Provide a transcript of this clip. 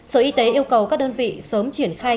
sở y tế yêu cầu các đơn vị sớm triển khai